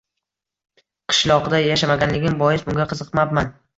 Qishloqda yashamaganligim bois bunga qiziqmabman